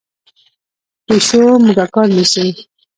پیشو موږکان نیسي.